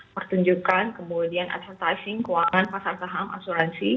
pertunjukan kemudian advertising keuangan pasar saham asuransi